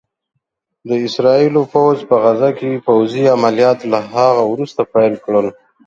د اسرائيلو پوځ په غزه کې پوځي عمليات له هغه وروسته پيل کړل